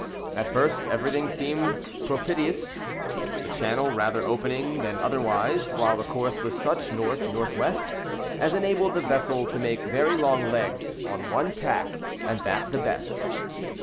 At first, everything seemed propitious, the channel rather opening than otherwise, while the course was such—north northwest—as enabled the vessel to make very long legs on one tack, and that the best.